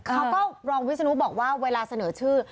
รองวิศนุบอกว่าเวลาเสนอชื่อ